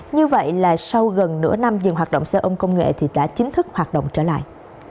như vậy là sau gần nửa năm dừng hoạt động xe ôn công nghệ thì đã chính thức hoạt động trở lại